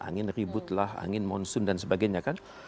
angin ributlah angin monsoon dan sebagainya kan